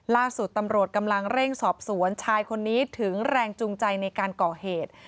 ล่าสุดตำรวจกำลังเร่งสอบสวนชายคนนี้ถึงแรงจูงใจในการก่อเหตุ